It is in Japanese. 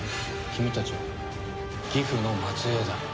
君たちはギフの末裔だ。